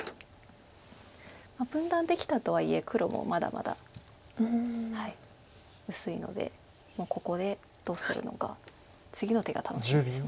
分断できたとはいえ黒もまだまだ薄いのでここでどうするのか次の手が楽しみです。